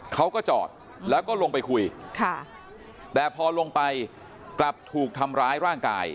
เขาก็จอดแล้วก็ลงไปคุยแต่พอลงไปกลับถูกทำร้ายร่างกาย